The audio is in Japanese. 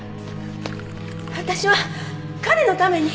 私は彼のために。